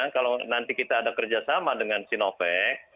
kalau nanti kita ada kerjasama dengan sinovac